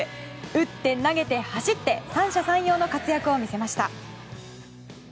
打って投げて走って三者三様の活躍を見せました。